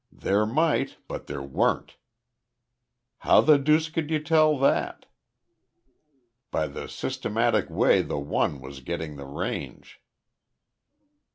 "There might, but there weren't." "How the deuce could you tell that?" "By the systematic way the one was getting the range."